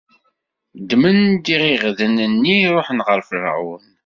Ddmen-d iɣiɣden-nni, ṛuḥen ɣer Ferɛun.